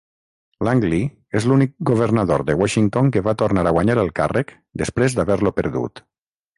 Langlie és l'únic governador de Washington que va tornar a guanyar el càrrec després d'haver-lo perdut.